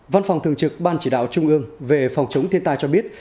văn phòng thường trực ban chỉ đạo trung ương về phòng chống thiên tai cho biết